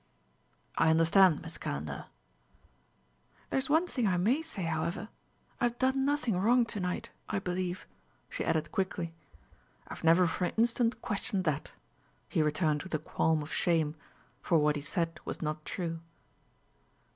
"I understand, Miss Calendar." "There's one thing I may say, however. I have done nothing wrong to night, I believe," she added quickly. "I've never for an instant questioned that," he returned with a qualm of shame; for what he said was not true.